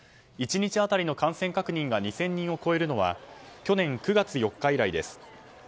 １日当たりの感染確認が２０００人を超えるのは去年９月４日以来です。